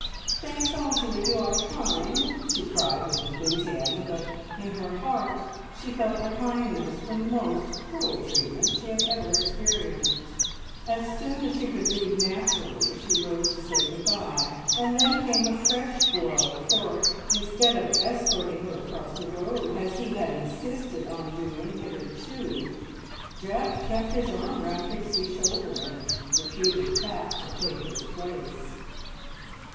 "Thanks awfully. You are kind!" she cried with enthusiasm, but in her heart she thought the kindness the most cruel treatment she had ever experienced. As soon as she could leave naturally she rose to say good bye, and then came a fresh blow, for, instead of escorting her across the road as he had insisted on doing hitherto, Jack kept his arm round Pixie's shoulder, and deputed Pat to take his place.